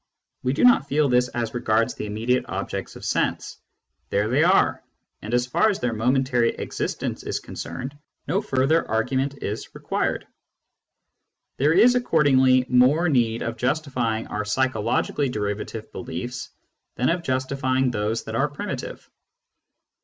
We do not feel this as regards the immediate objects of sense : there they are, and as far as their momentary existence is concerned, no further argument is required. There is accordingly more need of justifying our psychologically derivative beliefs than of justifying those that are primitive.